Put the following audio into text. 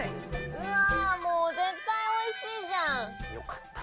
うわもう絶対おいしいじゃん！よかった！